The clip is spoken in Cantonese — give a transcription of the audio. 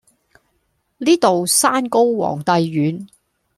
呢度山高皇帝遠